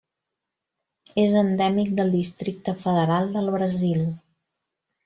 És endèmic del Districte Federal del Brasil.